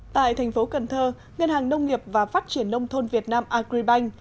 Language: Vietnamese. tại thành phố cần thơ ngân hàng nông nghiệp và phát triển nông thôn việt nam agribank